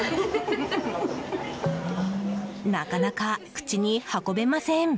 なかなか口に運べません。